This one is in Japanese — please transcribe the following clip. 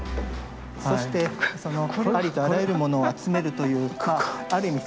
そしてそのありとあらゆるものを集めるというかある意味